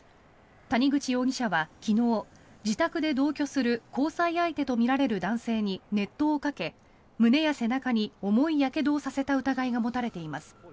谷口容疑者は昨日、自宅で同居する交際相手とみられる男性に熱湯をかけ、胸や背中に重いやけどをさせた疑いが持たれています。